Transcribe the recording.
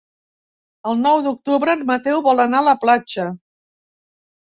El nou d'octubre en Mateu vol anar a la platja.